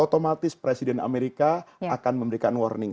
otomatis presiden amerika akan memberikan warning